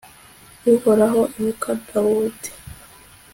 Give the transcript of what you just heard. uhoraho, ibuka dawudi